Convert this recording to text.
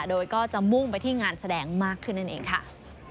โดยก็จะมุ่งไปที่งานแสดงมากขึ้นนั่นเองค่ะ